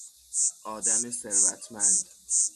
آدم ثروتمند